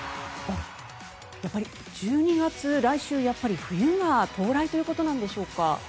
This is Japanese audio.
やっぱり１２月来週は冬が到来ということなんでしょうか。